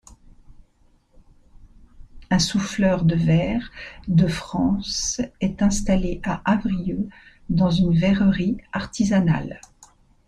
Un souffleur de verre de France est installé à Avrieux, dans une verrerie artisanale.